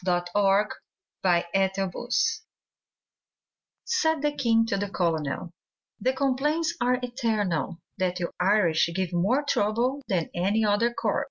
THE IRISH COLONEL Said the king to the colonel, 'The complaints are eternal, That you Irish give more trouble Than any other corps.